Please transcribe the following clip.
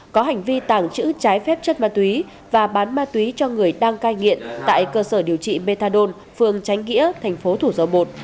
có hành vi tàng trữ trái phép chất ma túy và bán ma túy cho người đang cai nghiện tại cơ sở điều trị methadone phường tránh nghĩa thành phố thủ dầu bột